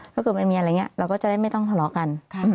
ถ้าเกิดมันมีอะไรอย่างนี้เราก็จะได้ไม่ต้องทะเลาะกัน